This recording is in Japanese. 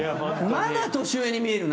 まだ年上に見えるな。